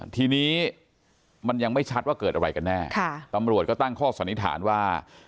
ทีนี้มันยังไม่ชัดว่าเกิดอะไรกันแน่ตำรวจก็ตั้งข้อสันนิษฐานว่า